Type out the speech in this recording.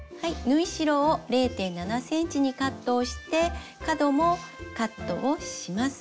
縫い代を０．７ｃｍにカットをして角もカットをします。